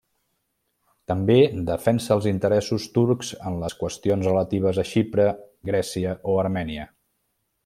També defensa els interessos turcs en les qüestions relatives a Xipre, Grècia o Armènia.